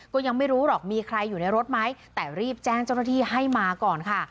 ก็ยังไม่รู้หรอกมีใครอยู่ในรถไหมแต่รีบแจ้งเจ้าหน้าที่ให้มาก่อนค่ะ